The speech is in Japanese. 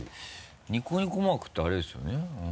ニコニコマークってあれですよね？